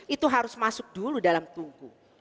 itu harus masuk dulu dalam tungku